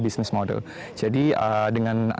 bisnis model jadi dengan